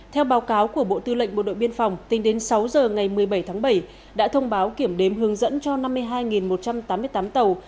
theo báo cáo của bộ tư lệnh bộ đội biên phòng tính đến sáu giờ ngày một mươi bảy tháng bảy đã thông báo kiểm đếm hướng dẫn cho năm mươi hai một trăm tám mươi tám tàu